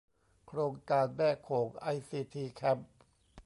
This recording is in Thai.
โครงการแม่โขงไอซีทีแคมป์